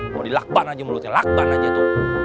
mau dilakban aja mulutnya lakban aja tuh